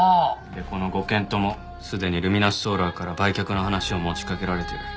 でこの５軒ともすでにルミナスソーラーから売却の話を持ちかけられてる。